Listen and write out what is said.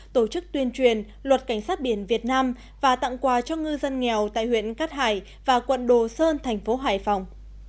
tổ chức tuyên truyền luật cảnh sát biển việt nam và tặng quà cho ngư dân nghèo tại huyện cát hải và quận đồ sơn thành phố hải phòng